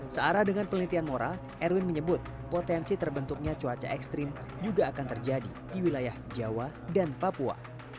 searah dengan penelitian moral erwin menyebut potensi terbentuknya cuaca ekstrim juga akan terjadi di wilayah jawa dan papua